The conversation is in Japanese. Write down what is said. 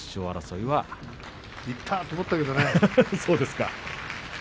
いったと思ったけどね。